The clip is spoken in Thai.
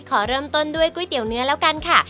ขอเริ่มต้นด้วยก๋วยเตี๋ยวเนื้อแล้วกันค่ะ